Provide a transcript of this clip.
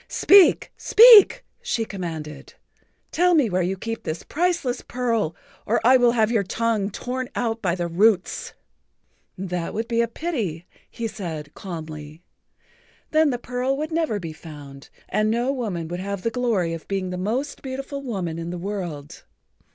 "Speak! Speak!" she commanded. "Tell me where you keep this priceless pearl or I will have your tongue torn out by the roots." "That would be a pity," he said calmly. "Then the pearl would never be found, and no woman would have the glory of being the most beautiful woman in the world."